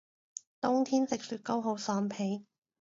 冬天食雪糕好爽皮